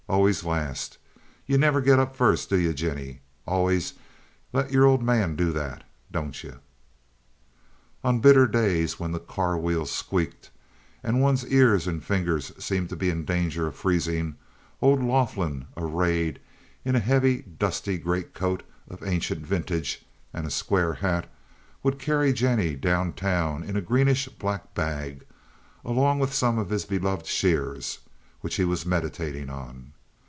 "Allers last. Yuh never git up first, do yuh, Jinnie? Allers let yer old man do that, don't you?" On bitter days, when the car wheels squeaked and one's ears and fingers seemed to be in danger of freezing, old Laughlin, arrayed in a heavy, dusty greatcoat of ancient vintage and a square hat, would carry Jennie down town in a greenish black bag along with some of his beloved "sheers" which he was meditating on.